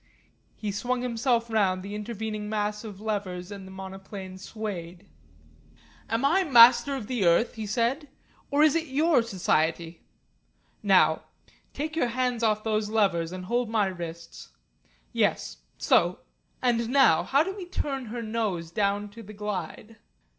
He swung himself round the intervening mass of levers and the monoplane swayed. "Am I Master of the earth?" he said. "Or is your Society? Now. Take your hands off those levers, and hold my wrists. Yes so. And now, how do we turn her nose down to the glide?"